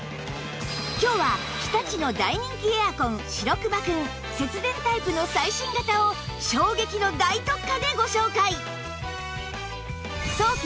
今日は日立の大人気エアコン白くまくん節電タイプの最新型を衝撃の大特価でご紹介！